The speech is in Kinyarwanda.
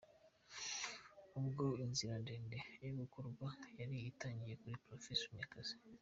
Ubwo inzira ndende yo kugorwa yari itangiye kuri Prof Munyakazi.